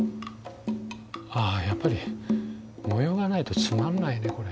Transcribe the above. あやっぱり模様がないとつまんないねこれ。